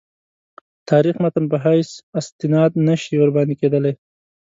تاریخي متن په حیث استناد نه شي ورباندې کېدلای.